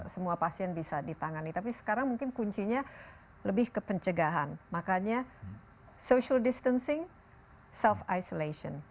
semua pasien bisa ditangani tapi sekarang mungkin kuncinya lebih ke pencegahan makanya social distancing self isolation